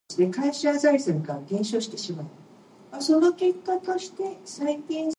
This was the first theatrical fund outside of London.